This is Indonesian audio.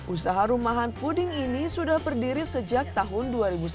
usaha rumahan puding ini sudah berdiri sejak tahun dua ribu sembilan